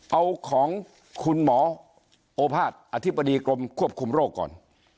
เอาของคุณหมอโอภาษย์อธิบดีกรมควบคุมโรคก่อน